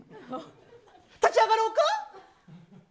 立ち上がろうか。